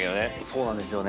そうなんですよね。